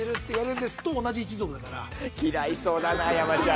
嫌いそうだな山ちゃん。